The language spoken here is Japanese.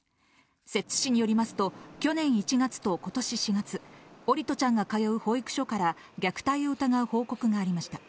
摂津市によりますと、去年１月とことし４月、桜利斗ちゃんが通う保育所から、虐待を疑う報告がありました。